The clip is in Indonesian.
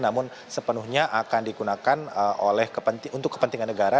namun sepenuhnya akan digunakan untuk kepentingan negara